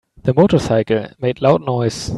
The motorcycle made loud noise.